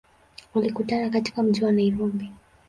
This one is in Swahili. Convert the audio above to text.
Walikutana katika mji wa Nairobi.